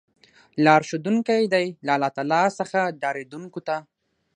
لار ښودونکی دی له الله تعالی څخه ډاريدونکو ته